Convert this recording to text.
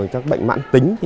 các bệnh mãn tính